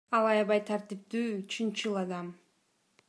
Ал аябай тартиптүү, чынчыл адам.